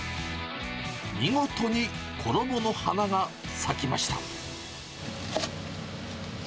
見事に衣の花が咲きました。